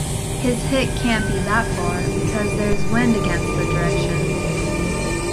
His hit can't be that far because there is wind against the direction.